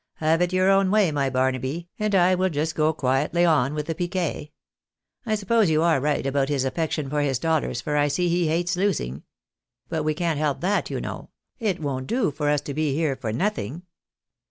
Have it your own way, my Barnaby, and I will just go quietly on with the piquet. I suspect you are right about his affection for his dollars, for I see he hates losing. But we can't help that, you know ; it won't do for us to be here for nothing."